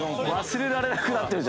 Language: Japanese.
忘れられなくなってる。